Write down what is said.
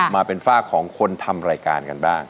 มาเป็นฝากของคนทำรายการกันบ้าง